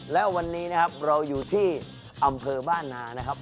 และวันนี้นะครับเราอยู่ที่อำเภอบ้านนานะครับ